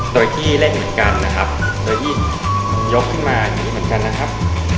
โดยที่เล่นเหมือนกันนะครับโดยที่ยกขึ้นมาอย่างนี้เหมือนกันนะครับ